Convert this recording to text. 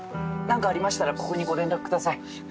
何かありましたらここにご連絡ください。